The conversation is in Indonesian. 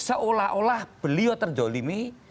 seolah olah beliau terjolimi